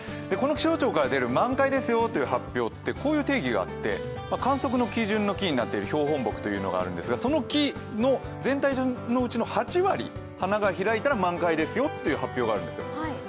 この気象庁から出る満開ですよという発表はこういう定義があって、観測の基準の木になっている標本木というのがあるんですが、その木の全体のうちの８割花が開いたら満開ですよという発表があるんです。